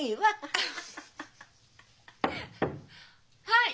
はい。